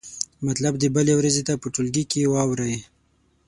مطلب دې بلې ورځې ته په ټولګي کې واورئ.